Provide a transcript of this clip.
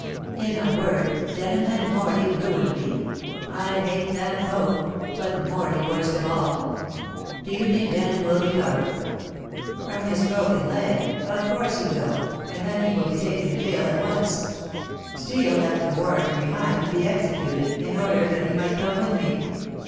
In a word, Denham and Morley ruined me. I hate them both, but Morley worst of all. Do you think Denham will recover?" "From his broken leg? Of course he will, and then he will be taken to jail at once. Steel left the warrant behind to be executed, in order that he might come with me."